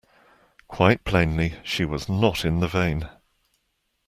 Quite plainly, she was not in the vein.